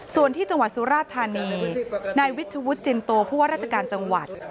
ส่วนที่จังหวัดสุราธานีนายวิชวุฒิจินโตผู้ว่าราชการจังหวัด